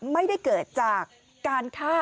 ไม่ได้เกิดจากการฆ่า